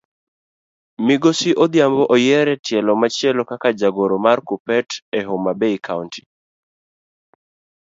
Migosi odhiambo oyier etielo machielo kaka jagoro mar kuppet e homabay county.